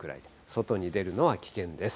外に出るのは危険です。